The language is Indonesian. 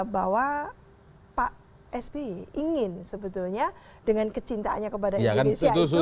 bahwa pak sby ingin sebetulnya dengan kecintaannya kepada indonesia